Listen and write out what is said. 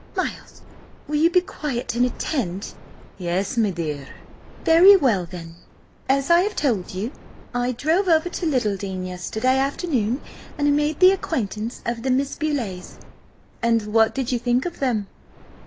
"Miles, will you be quiet and attend?" "Yes, m'dear." "Very well, then. As I have told you, I drove over to Littledean yesterday afternoon, and made the acquaintance of the Miss Beauleighs." "And what did ye think of them?"